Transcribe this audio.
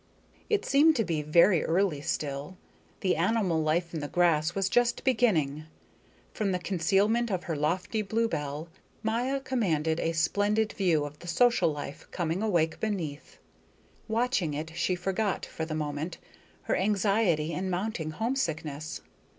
It seemed to be very early still. The animal life in the grass was just beginning. From the concealment of her lofty bluebell Maya commanded a splendid view of the social life coming awake beneath. Watching it she forgot, for the moment, her anxiety and mounting homesickness.